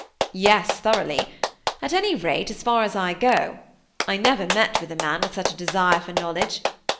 "Yes, thoroughly; at any rate as far as I go. I never met with a man with such a desire for knowledge.